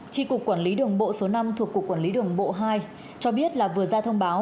tri cục quản lý đường bộ số năm thuộc cục quản lý đường bộ hai cho biết là vừa ra thông báo